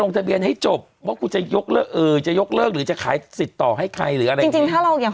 นี่คือถือว่าเราสละสิทธิ์เพื่อการบริจาค